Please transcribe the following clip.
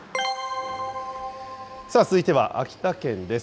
続いては、秋田県です。